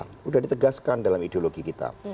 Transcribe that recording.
sudah ditegaskan dalam ideologi kita